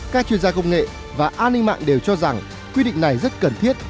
các chuyên gia công nghệ và an ninh mạng đều cho rằng quy định này rất cần thiết